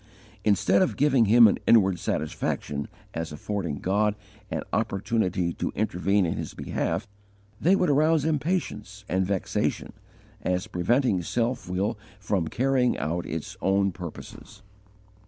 Instead of giving him an inward satisfaction as affording God an opportunity to intervene in his behalf, they would arouse impatience and vexation, as preventing self will from carrying out its own purposes.